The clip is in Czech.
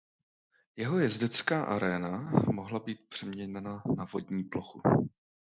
Jeho jezdecká aréna mohla být přeměněna na vodní plochu.